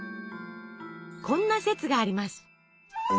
こんな説があります。